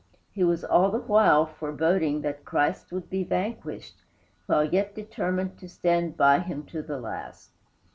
He was all the while foreboding that Christ would be vanquished, while yet determined to stand by him to the last.